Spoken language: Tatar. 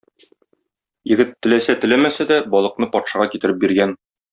Егет, теләсә-теләмәсә дә, балыкны патшага китереп биргән.